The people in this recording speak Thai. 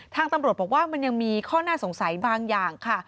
ทางตำรวจบอกว่ามันยังมีข้อน่าสงสัยบางอย่างค่ะ